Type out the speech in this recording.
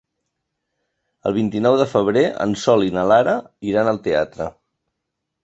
El vint-i-nou de febrer en Sol i na Lara iran al teatre.